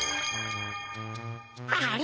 あれ？